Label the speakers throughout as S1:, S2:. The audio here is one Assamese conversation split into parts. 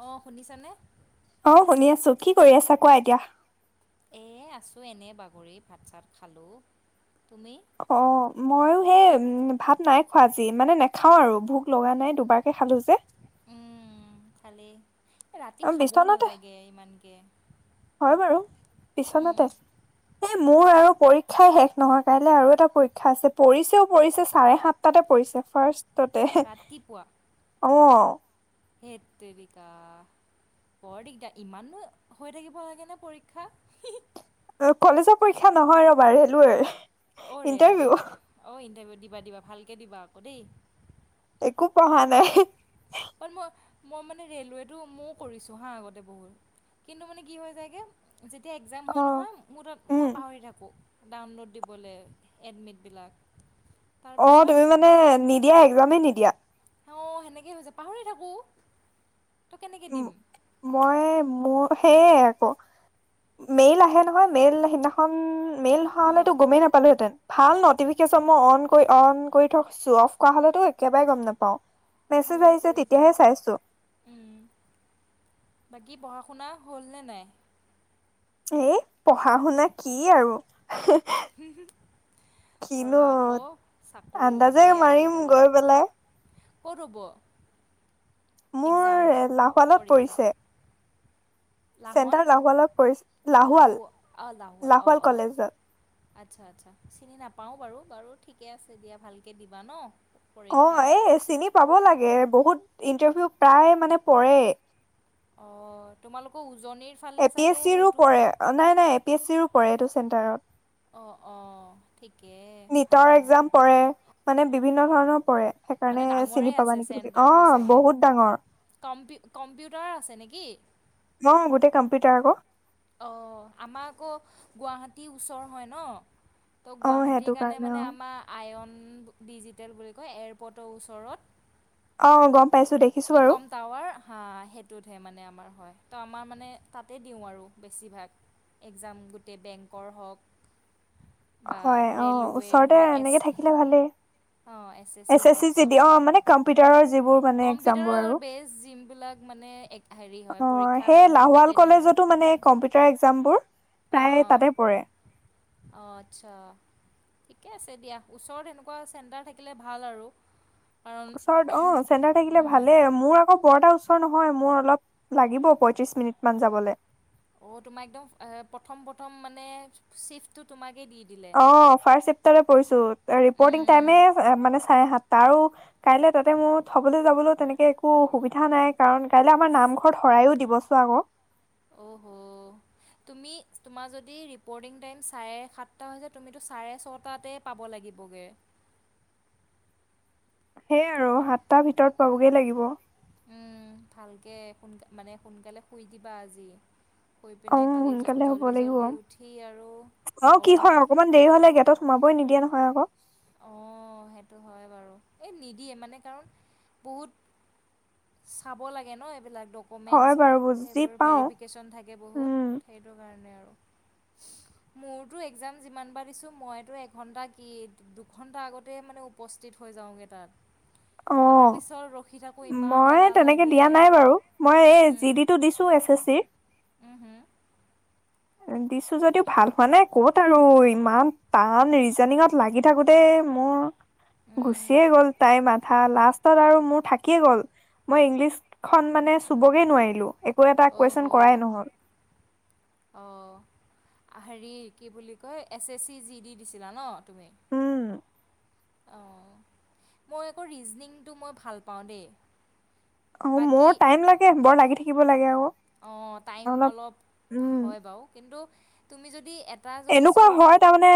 S1: অ শুনিছানে
S2: অ শুনি আছো কি কৰি আছা কোৱা এতিয়া
S1: এই আছোঁ এনে বাগৰি ভাত চাত খালোঁ তুমি
S2: অ মইয়ো সেই ভাত নাই খোৱা আজি মানে নাখাও আৰু ভোক লগা নাই দুবাৰকে খালো যে
S1: উম খালি ৰাতি
S2: অ
S1: খাবও
S2: বিচনাতে
S1: নালাগে ইমানকে
S2: হয় বাৰু
S1: উম
S2: বিচনাতে মোৰ আৰু পৰীক্ষাই শেষ নহয় কাইলে আৰু এটা পৰীক্ষা আছে পৰিছেও পৰিছে চাৰে সাতটাতে পৰিছে ফাৰ্ষ্ট
S1: ৰাতিপুৱা
S2: অ।
S1: হেত তেৰিকা, বৰ দিগদাৰ। ইমাননো হৈ থাকিব লাগেনে পৰীক্ষা? হিঃ হিঃ।
S2: কলেজৰ পৰীক্ষা নহয় ৰ'বা, ৰেলৱেৰ।
S1: অ ৰেলৱে,
S2: ইন্টাৰভিউ
S1: অ ইণ্টাৰভিউ দি দিবা দিবা, ভালকে দিবা আকৌ দেই।
S2: একো পঢ়া নাই।
S1: বাত ম‌ই, মই মানে ৰেলৱেটো মই কৰিছো হা আগতে বহুত। কিন্তু মানে কি হৈ যায়গে, যেতিয়া এক্জাম
S2: অ
S1: হয় নহয়, মোৰ ত
S2: উম
S1: মই পাহৰি থাকোঁ। ডাউনলোড দিবলে, এডমিটবিলাক।
S2: অ
S1: তাৰপিছত
S2: তুমি মানে নিদিয়াই? ৰমেই নিদিয়া?
S1: অ সেনেকে হৈছে যায়, পাহৰি থাকো।
S2: উম, মইয়ে মোৰ, সেইয়ে আকৌ। মেইল আহে নহয় মেইল সিদিনাখন, মেইল নহা
S1: অ'
S2: হলেতো গমেই নাপালোহেঁতেন। ভাল নটিফিকেশচন মই অন কৰি অন কৰি থকছো, অফ কৰা হলেতো একেবাৰে গম নাপাওঁ। মেছেজ
S1: ভালেই
S2: আহিছে
S1: কৰিছা।
S2: তেতিয়াহে চাইছোঁ।
S1: কি পঢ়া-শুনা হ'লনে নাই?
S2: এই, পঢ়া-শুনা কি আৰু। হেঃহে,
S1: কৰা
S2: কিনো
S1: আকৌ
S2: হত
S1: চাকৰি
S2: আন্দাজে
S1: লাগেই
S2: মাৰিম
S1: আজিকালি
S2: গৈ পেলাই।
S1: ক'ত হ'ব?
S2: মোৰ
S1: এক্সামটো
S2: এ লাহোৱালত
S1: পৰীক্ষাটো
S2: পৰিছে।
S1: লাহন,
S2: চেণ্টাৰ লাহোৱালত পৰিছে লাহোৱাল
S1: লাহো অ লাহোৱাল। অঁ অঁ, আচ্ছা আচ্ছা, চিনি নাপাওঁ বাৰু। বাৰু ঠিকে আছে দিয়া ভালকে দিবা ন!
S2: অ
S1: পৰীক্ষা
S2: এ চিনি পাব লাগে বহুত ইন্টাৰভিউ প্ৰায় মানে পৰে
S1: অ তোমালোকৰ ও
S2: এ পি এছ চি ৰো পৰে নাই নাই এ পি এছ চি ৰ পৰে এইটো চেণ্টাৰত
S1: অ অ ঠিকেই
S2: নীটৰ
S1: ভালে ন
S2: এক্জাম পৰে। মানে বিভিন্ন ধৰণৰ পৰে
S1: মানে
S2: সেইকাৰণে
S1: ডাঙৰে
S2: চিনি পাবা
S1: আছে
S2: নেকি বুলি অ
S1: চেণ্টাৰটো চাগে
S2: বহুত ডাঙৰ
S1: কম্পিউ কম্পিউটাৰ আছে নেকি
S2: পিটাৰ ক
S1: অ আমাৰ আকৌ গুৱাহাটীৰ ওচৰ হয় ন ত
S2: অ সেইটো
S1: গুৱাহাটীৰ কাৰণে
S2: অ
S1: মানে আমাৰ আয়ন ডিজিটেল বুলি কয় এয়াৰপৰ্টৰ ওচৰত
S2: অ গম পাইছো দেখিছো বাৰু
S1: ইকম টাৱাৰ হা সেইটোতহে মানে আমাৰ হয় ত আমাৰ মানে তাতে দিওঁ আৰু বেছিভাগ এক্সাম গোটেই বেংকৰ হওক বা
S2: হয় অ
S1: ৰে'লৱেৰ
S2: ওচৰতে
S1: হওক এছ
S2: এনেকে থাকিলে ভালেই এছ এছ চি যে দিয়া অ মানে কম্পিউটাৰৰ যিবোৰ মানে এক্জাম বোৰ
S1: কম্পিউটাৰৰ
S2: আৰু
S1: বেছ যোনবিলাক মানে হেৰি হয়
S2: অ
S1: পৰীক্ষা
S2: সেই
S1: হয় মানে
S2: লাহোৱাল
S1: তাতে দিওঁ আৰু
S2: কলেজতো মানে কম্পিউটাৰ এক্জাম বোৰ
S1: অঁ
S2: প্ৰায়
S1: অঁ
S2: তাতে পৰে
S1: অঁ আচ্ছা ঠিকে আছে দিয়া ওচৰত এনেকোৱা চেণ্টাৰ থাকিলে ভাল আৰু কাৰণ
S2: ওচৰত অ চেণ্টাৰ থাকিলে ভালে মোৰ বৰ এটা ওচৰত নহয় মোৰ অলপ লাগিব পয়ত্ৰিশ মিনিট মান যাবলে
S1: অ তোমাক একদম প্ৰথম প্ৰথম মানে চিফটো তোমাক
S2: অ ফাৰ্ষ্ট চেপ্তাৰেট পৰিছো ৰিপৰ্টিং
S1: উম,
S2: টাইে মানে চাৰে সাতটা আৰু কাইলে তাতে মোৰ থবলৈ যাবলৈ তেনেকে একো সুবিধা নাই কাৰণ কাইলৈ আমাৰ নামঘৰত শৰায়ো দিব চোৱা ক
S1: অ' হ তুমি তোমাৰ যদি ৰিপ'ৰ্টিং টাইম চাৰে সাতটা হৈছে তুমিতো চাৰে ছটাতে পাব লাগিবগে
S2: সেইয়ে আৰু সাতটা ভিতৰত পাবগে লাগিব
S1: উম ভালকে সোন মানে সোনকালে শুই দিবা আজি শুই পিনে কালি
S2: সোনকালে হ'ব
S1: জল্দি
S2: লাগিব।
S1: জল্দি উঠি আৰু ভগৱানক
S2: গৈ নিদিয়ে নহয় আকৌ
S1: অ সেইটো হয় বাৰু এই নিদিয়ে মানে কাৰণ বহুত চাব লাগে ন এইবিলাক ডকুমেণ্টছ
S2: হয় বাৰু বুজি
S1: সেইবোৰ
S2: পাওঁ
S1: ভেৰিফিকেশ্যন থাকে বহুত
S2: উম,
S1: সেইটো কাৰণে আৰু মোৰতো এক্সাম যিমান বাৰ দিছো মইতো এঘন্টা কি দুঘণ্টা আগতেই মানে উপস্থিত হৈ যাওঁগে তাত
S2: অ
S1: তাৰপিছত ৰখি থাকোঁ ইমান
S2: মই
S1: এলাহ
S2: তেনেকে
S1: লাগে
S2: দিয়া নাই বাৰু মই এই জি ডি টো দিছো এছ এছ চিৰ
S1: উম হম
S2: দিছো যদিও ভাল হোৱা নাই কত আৰু ইমান টান ৰিজনিঙত লাগি থাকো দে মোৰ
S1: উম,
S2: গুচিয়ে গ'ল তাই মাত লাষ্টত আৰু মোৰ থাকিয়ে গ'ল মই ইংলিছ খন মানে চুবগে নোৱাৰিলো একো এটা
S1: অ'হ'
S2: কুৱেশ্যন কৰাই নহ'ল
S1: অ' হেৰি কি বুলি কয় S S C G D দিছিলা ন তুমি?
S2: উম
S1: অঁ মই আকৌ ৰিজনংটো মই ভাল পাওঁ দেই।
S2: অ মোৰ টাইম লাগে বৰ লাগি থাকিব লাগে আৰু
S1: অ টাইম অলপ
S2: উম
S1: হয় বাৰু কিন্তু তুমি যদি এট-
S2: এনেকুৱা হয় তামানে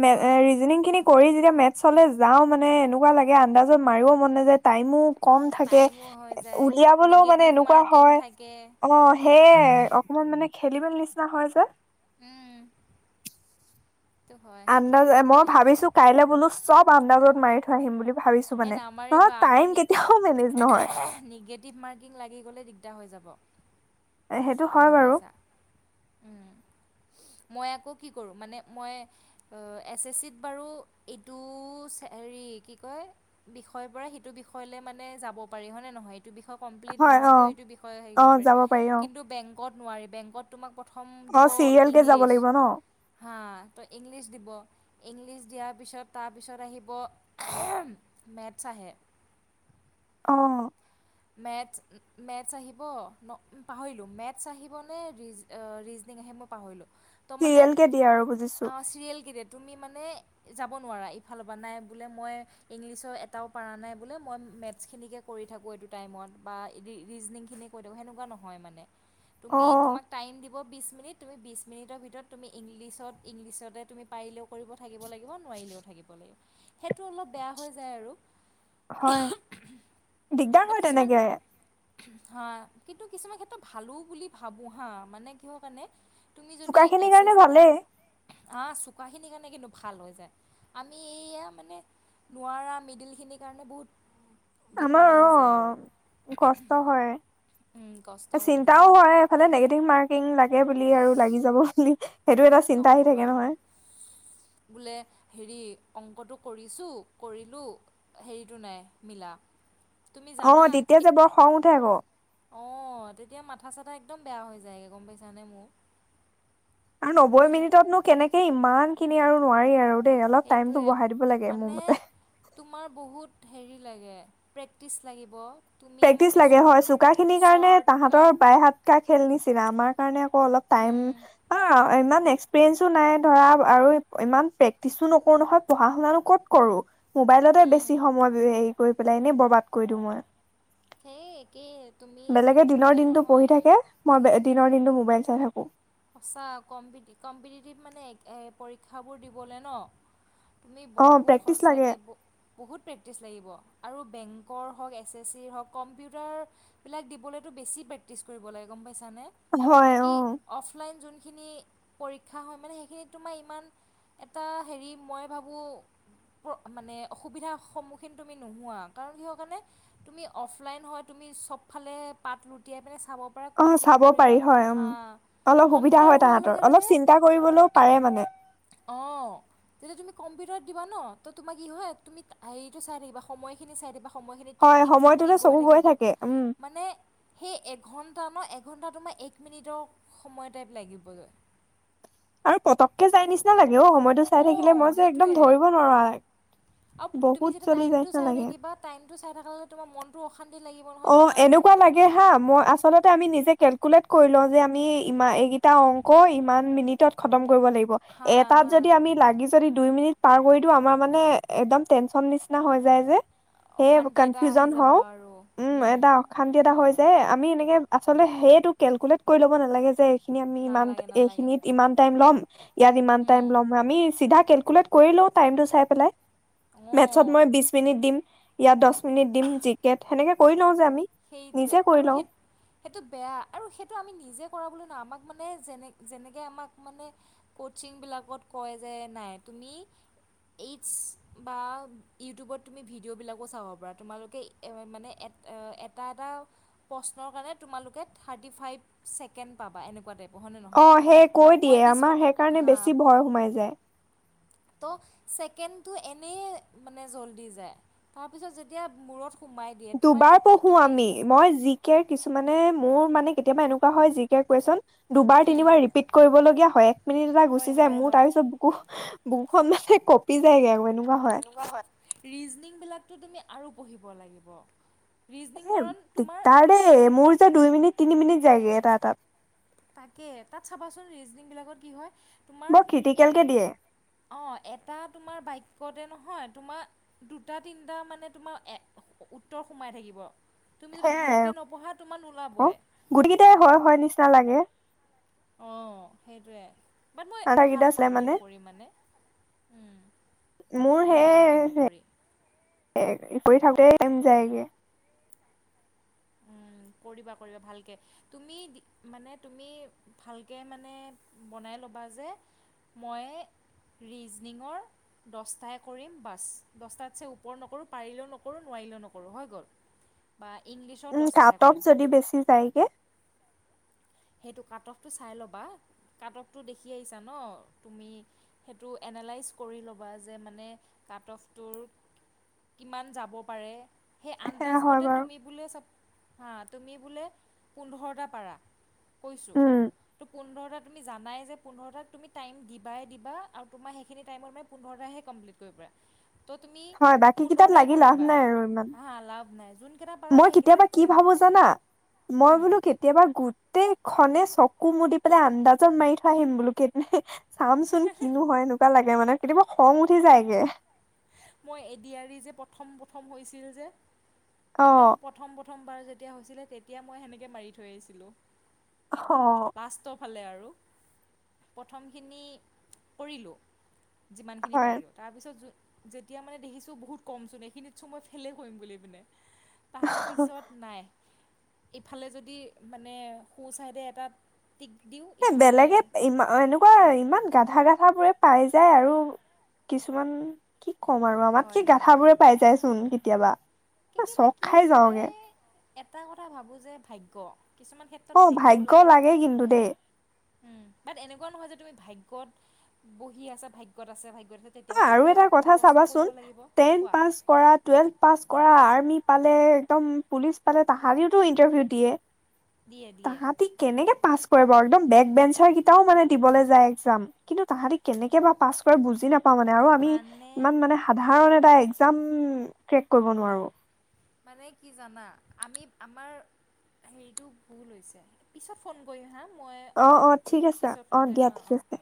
S2: মে এ
S1: হয়
S2: ৰিজনি‍ংখিনি কৰি যেতিয়া মেট চলে যাও মানে এনেকুৱা লাগে আন্দাজত মাৰিবও মন নাই যে টাইমো কম থাকে
S1: টাইমো হৈ যায়
S2: উলিয়াবলৈও মানে
S1: নিগেটিভ
S2: এনেকুৱা
S1: মাৰ্কিং
S2: হয়
S1: থাকে
S2: অ সেয় অকমান মানে খেলিবেল নিচিনা হয় যে।
S1: উম সেইটো হয়
S2: আন্দাজ মই
S1: উপায় নাই
S2: ভাবিছো কাইলৈ বোলো চব আমন্দাজত মাৰি থৈ আহিম বুলি ভাবিছো
S1: এ
S2: মানে নহয়
S1: নামাৰিবা আকৌ
S2: টাইম
S1: নি
S2: কেতিয়াও মেনেজ নহয়
S1: নিগেটিভ মাৰ্কিং লাগি গলে দিগদাৰ হৈ যাব।
S2: সেইটো হয়
S1: গম
S2: বাৰু
S1: পাইচা উম মই আকৌ কি কৰোঁ মানে মই এছ এছ চিত বাৰু এইটো হেৰি কি কয় বিষয়ৰ পৰা সিটো বিষয় লে মানে যাব পাৰি হয় নে নহয়? বিষয় কমপ্লিট
S2: হয় অ
S1: নোহোৱাকৈও এইটো বিষয়ে হেৰি
S2: অ
S1: কৰিব পাৰি
S2: যাব অ
S1: কিন্তু বেংক ত নোৱাৰি বেংকত তোমাক- প্ৰথম
S2: অ
S1: দিব
S2: চিৰিয়েল কে যাব
S1: ইংলিছ
S2: লাগিব ন
S1: হাঁ ত' ইংলিছ দিব ইংলিছ দিয়াৰ পিছত তাৰপিছত আহিব মেথছ আহে
S2: অ
S1: মেথছ মেথছ আহিব ন পাহৰিলোঁ মেথছ আহিবনে ৰিজ অ ৰিজনিং আহে মই পাহৰিলোঁ। ত মানে
S2: চিৰিয়েল কে দিয়ে আৰু বুজিছো
S1: অ চিৰিয়েল কি দিয়ে তুমি মানে- মানে যাব নোৱাৰা ইফালৰ পৰা নাই বোলে মই ইংলিছৰ এটাও পৰা নাই বোলে মই মেথছখিনিকে কৰি থাকোঁ এইটো- টাইমত বা ৰিজনিংখিনিয়ে কৰি থাকো সেনেকুৱা নহয় মানে
S2: অ
S1: তুমি তোমাক টাইম দিব বিচ- মিনিট তুমি বিছ মিনিটৰ ভিতৰত তুমি ইংলিছত ইংলিছতে তুমি পাৰিলেও কৰিব থাকিব লাগিব নোৱাৰিলেও থাকিব লাগিব সেইটো অলপ বেয়া হৈ যায় আৰু।
S2: হয় দিগদাৰ
S1: বাট
S2: হয়
S1: কিছুমান
S2: তেনেকে
S1: হা কিন্তু কিছুমান ক্ষেত্ৰত ভালো বুলি ভাবোঁ হা মানে কিহৰ কাৰণে তুমি যদি
S2: চোকা খিনিৰ
S1: এচেছ
S2: কাৰণে ভালেই
S1: আ চোকাখিনিৰ কাৰণে কি? ভাল হৈ যায় আমি এয়া মানে নোৱাৰা মিডিলখিনিৰ কাৰণে বহুত বিপদ
S2: আমাৰ
S1: আহিছে।
S2: অ', কষ্ট হয়,
S1: উম, কষ্ট হৈ যায়
S2: চিন্তাও
S1: আমাৰ
S2: হয়ফালে নিগেটিভমাৰ্কিং লাগে এই বুলি আৰু লাগি যাব বুলি। সেইটো এটা চিন্তা আহি থাকে
S1: নক'বা
S2: নহয়
S1: বোলে হেৰি। অংকটো কৰিছোঁ, কৰিলো, হেৰিটো নাই মিলা।
S2: অ', তেতিয়া যে বৰ খং উঠে আকৌ।
S1: অ', তেতিয়া মাথা সাথা একদম বেয়া হৈ যায় গে গম পায়চা নে।
S2: আৰু নব্বৈ মিনিটত নো কেনেকে ইমান কিনি আৰু নোৱাৰি আৰু। দেই অলপ টাইমটো
S1: সেইটোৱেই
S2: বঢ়াই দিব লাগে মোৰ
S1: মানে
S2: মতে।
S1: তোমাৰ বহুত হেৰি কি লাগে কষ্ট লাগিব। তুমি
S2: প্ৰেক্টিচ
S1: মানে চ
S2: লগে হয় চোকা খিনিৰ কাৰণে তাহাঁতৰ
S1: শ্বৰ্টকাট
S2: বাই হাত কা খেল নিচি আমাৰ কাৰণে আকৌ অলপ টাইম
S1: উম,
S2: অ', ইমান ইমান এক্সপেৰিইন্টচো নাই ধৰা আৰু ইমান প্ৰেক্টিচ ও নকৰো নহয় পহা শুনা নো ক'ত কৰো মোবাইলতে
S1: উম,
S2: বেছি সময় এনে বৰ বাদ কৰি দিওঁ মই।
S1: কি, কি?
S2: বেলেগে দিনৰ দিন টো পঢ়ি থাকে মই দিনৰ দিন টো মোবাইল চাই থাকো।
S1: সা কম্পিটটিভ মানে পৰীক্ষাবোৰ দিবলৈ ন। তুমি
S2: অ
S1: বহুত
S2: প্ৰেক্টিচ লাগে
S1: সঁচাকৈ বহুত প্ৰেক্টিচ লাগিব আৰু বেংকৰ হওক এছ এছ চিৰ হওক কম্পিউটাৰবিলাক দিবলৈতো বেছি প্ৰেক্টিছ কৰিব লাগে গম পাইছ [unintelligible]
S2: হয়
S1: বাকী
S2: অ।
S1: অফলাইন যোনখিনি পৰীক্ষা হয় মানে সেইখিনিত তোমাৰ ইমান এটা হেৰি মই ভাবোঁ মানে অসুবিধাৰ সন্মুখীন তুমি নোহোৱা কাৰণ কিহৰ কাৰণে তুমি অফলাইন হয় তুমি চবফালে পাত লুটিয়াই পিনে চাব পাৰা
S2: অ
S1: কোনটো
S2: চাব
S1: কৰিবা
S2: পাৰি
S1: কোন
S2: হয় উম
S1: হা।
S2: অলপ সুবিধা হয় তাহতৰ অলপ চিন্তা কৰিবলৈও পাৰে মানে।
S1: কম্পিউটাৰ উটাৰত দিবা ন তো তোমাৰ কি হয় তুমি সেই তো চাই থাকিবা সময়খিনি চাই থাকিবা। সময়খিনি টিক
S2: হয়
S1: টিক
S2: সময়টোতে
S1: টিক গৈ
S2: চকু
S1: থাকিব
S2: থাকে উম
S1: মানে সেই একঘন্টা ন এক একঘন্টা তোমাৰ এক মিনিটৰ সময় টাইপ লাগিব যে।
S2: আৰু পতকে যায় নিচিনা লাগে। সময়তটো চাই থাকিলে
S1: অঁ
S2: মই যে একদম ধৰিব নোৱাৰো।
S1: অ', তুমি যেতিয়া টাইমটো চাই থাকিবা টাইম চাই থাকে তোমাৰ মনটো অশান্তি লাগিব নহয়
S2: অ',
S1: তোমাৰ
S2: এনেকুৱা লাগে হা মই আচলতে আমি নিজে কেলকুলেট কৰি লওঁ যে আমি ই এইকেইটা অংক ইমান মিনিটত খতম কৰিব লাগিব।
S1: হা
S2: এটাত
S1: হা
S2: যদি আমি লাগি যদি দুই মিনিট পাৰ কৰি দিও আমাৰ মানে একদম টেনচন নিচিনা হৈ যায় যে। সেয়ে
S1: অশান্তি এটা আহি
S2: কনফিউজন
S1: যাব।
S2: হওঁ
S1: আৰু
S2: উম এটা অশান্তি এটা, হয় যে আমি এনেকে আচলতে সেইটো কেলকুলেট কৰি লব নালাগে যে খিনি আমি ইমান
S1: নালাগে নালাগে
S2: এইখিনিত ইমান টাইম ল'ম। ইয়াত ইমান টাইম
S1: উম,
S2: ল'ম আমি চিধা কেল স্কুলত কৰি লও টাইমটো চাই পেলাই। মেথছত
S1: অঁ
S2: মই বিশ মিনিট দিম। ইয়াত দহ মিনিট দিম জি কেট সেনেকে কৰি লওঁ যে আমি
S1: সেইটোয়ে
S2: নিজে কৰি
S1: আৰু
S2: লওঁ
S1: সেই সেইটো বেয়া আৰু সেইটো আমি নিজে কৰা বুলি ন আমাক মানে যেনে যেনেকৈ আমাক মানে কৌচিংবিলাকত কয় যে নাই তুমি এইটছ বা ইউটিউবত তুমি ভিডিঅ'বিলাকো চাব পাৰা তোমালোকে মানে এট এট এটা এটা প্ৰশ্নৰ কাৰণে তোমালোকে থাৰ্টি ফাইভ ছেকেণ্ড পাবা এনেকুৱা টাইপ।
S2: অ সেই কৈ দিয়ে আমাৰ সেইকাৰণে বেছি ভয় সোমাই যায়।
S1: ত' ছেকেণ্ডটো এনেই মানে জল্দি যায় তাৰপিছত যেতিয়া মূৰত সোমাই দিয়ে তোমাৰ
S2: দুবাৰ
S1: টিক টিক
S2: পঢ়ো
S1: তুমি
S2: আমি মই জি কে কিছুমানে মোৰ মানে কেতিয়াবা এনেকুৱা হয় জি কেৰ কুৱেচন, দুবাৰ
S1: উম
S2: তিনিবাৰ ৰিপিট কৰিবলগীয়া হয় এক মিনিট এটা গুচি
S1: হয়
S2: যায়
S1: হয়
S2: মোৰ তাৰ
S1: হয়
S2: পিছত বুকু বুকখন মানে কপি যায়গে।
S1: এনেকুৱা হয় ৰিজনিং বিলাকতো তুমি আৰু পঢ়িব লাগিব। ৰিজনিং কাৰণ
S2: এ
S1: তোমাৰ
S2: তাৰেই মোৰ যে দুই মিনিট। তিনি মিনিট যায়গে এটা এটাত।
S1: তাকে তাত চাবাচোন ৰিজনিং বিলাকত কি হয়। তোমাৰ
S2: বৰ
S1: এট
S2: ক্ৰিটিকেলকে দিয়ে।
S1: অঁ এটা তোমাৰ বাক্যতে নহয় তোমাৰ দুটা তিনিটা মানে তোমাৰ উত্তৰ সোমাই থাকিব। তুমি যদি
S2: সেয়াই
S1: ভালকৈ নপঢ়া তোমাৰ
S2: আক
S1: নোলাবই।
S2: গোটকেইটাই হয় হয় নিচিনা লাগে।
S1: অ সেইটোৱে। বাট মই
S2: আধা
S1: ভাল
S2: কেইটা আছিলে
S1: পাওঁ দেই কৰি মানে উম
S2: মোৰ
S1: ভাল লাগে কিন্তু
S2: সেই
S1: কৰি।
S2: কৰি থাকোতেই টাইম যায়গে।
S1: কৰিবা কৰিবা ভালকে তুমি মানে তুমি ভালকে মানে বনাই ল'বা যে মই ৰিজনিঙৰ দশটাই কৰিম বাছ দশটাতছে ওপৰ নকৰোঁ পাৰিলেও নকৰোঁ নোৱাৰিলেও নকৰোঁ হৈ গ'ল বা ইংলিছ।
S2: উম কাট অফ যদি বেছি যায়গে।
S1: সেইটো কাট অফটো চাই ল'বা কাট অফটো দেখি আহিছা ন তুমি সেইটো এনালাইজ কৰি ল'বা যে মানে কাট অফটোৰ কিমান যাব পাৰে। সেই
S2: সেয়া
S1: আন্দাজ
S2: হয়
S1: মতে
S2: বাৰু
S1: তুমি বোলে চাপ। হা তুমি বোলে পোন্ধৰটা পাৰা। কৈছো
S2: উম
S1: ত পোন্ধৰটা তুমি জানাই যে পোন্ধৰটাত তুমি টাইম দিবাই দিবা আৰু তোমাৰ সেইখিনি টাইমত মানে পোন্ধৰটাহে কমপিলিট কৰিব পাৰা। ত তুমি
S2: হয় বাকী কেইটাত
S1: পোন্ধৰটাই
S2: লাগি লাভ
S1: কৰিবা
S2: নাই আৰু ইমান
S1: হা লাভ নাই। যোনকেইটা পাৰা
S2: মই
S1: সেইকেইটা
S2: কেতিয়াবা কি
S1: যেন
S2: ভাবো জানা মই বোলো কেতিয়াবা গোটেই খনে চকু মুদি পেলাই আন্দাজত মাৰি থৈ আহিম বোলো কেনে চাম চোন কিনো হয় এনেকুৱা লাগে। মানে কেতিয়াবা খং উঠি যায়গে।
S1: মই এডিয়াৰৰি যে প্ৰথম প্ৰথম হৈছিল যে,
S2: অ
S1: একদম প্ৰথম পথ, প্ৰথমবাৰ যেতিয়া হৈছিলে তেতিয়া মই সেনেকৈ মাৰি থৈ আহিছিলোঁ।
S2: অ
S1: লাষ্টৰ ফালে আৰু প্ৰথমখিনি কৰিলোঁ। যিমান খিনি
S2: হয়
S1: পাৰিলো তাৰ পিছত যেতিয়া মানে দেখিছো বহুত কম চোন এইখিনিত চো মই ফেলেই কৰিম বুলি পিনে। তাৰ পিছত নাই। ইফালে যদি মানে সু ছাইডে এটাত
S2: এ বেলেগে ইমান এনেকুৱা ইমান গাধা গাধাবোৰে পাই যায় আৰু কিছুমান কি? কম আৰু
S1: হয়
S2: আমাতকে
S1: হয়
S2: গাঠাবোৰে পাই যায়। চোন কেতিয়াবা।
S1: কেতিয়াবা
S2: চক
S1: কি
S2: খাই
S1: মই।
S2: যাওঁগে
S1: এটা কথা ভাবোঁ যে ভাগ্য। কিছুমান ক্ষেত্ৰত
S2: অ
S1: ভাগ্যও
S2: ভাগ্য
S1: লাগে
S2: কিন্তু দেই
S1: উম বাট এনেকুৱা নহয় যে তুমি ভাগ ত বহি আছে ভাগ্যত আছে ভাগ্য।
S2: অ আৰু এটা কথা চাবাচোন
S1: লাগিব
S2: টেন
S1: কোৱা
S2: পাছ কৰা টুৱেলভ পাছ কৰা। আমি পালে একদম পুলিচ পালে তাহাঁৰিওতো ইণ্টাৰভিউ দিয়ে।
S1: দিয়ে দিয়ে
S2: তাহাঁতি কেনেকে পাছ। একে বেক বেঞ্চৰ মানে দিবলৈ যায় একযাম কিন্তু তাহতি কেনেকে বা পাছ কৰে বুজি নাপাওঁ। পা মানে আৰু আমি
S1: মানে
S2: ইমান মানে সাধাৰণে। একযাম ট্ৰেক কৰিব নোৱাৰো।
S1: মানে কি জানা আমি আমাৰ হেৰিটো ভুল হৈছে পিছত ফোন কৰিম হা। মই
S2: অ
S1: অলপ
S2: অ ঠিক আছে
S1: পিছত ফোন
S2: অ
S1: কৰি
S2: দিয়া
S1: আছোঁ অঁ
S2: ঠিক
S1: অঁ
S2: আছে।